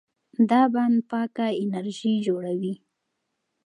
دا بند پاکه انرژي جوړوي.